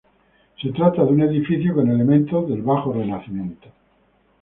Se trata de un edificio con elementos del bajo Renacimiento.